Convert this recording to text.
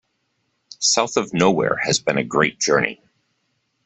South of Nowhere has been a great journey.